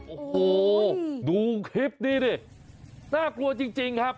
โอ้โหดูคลิปนี้ดิน่ากลัวจริงครับ